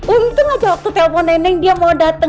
untung aja waktu telepon neneng dia mau dateng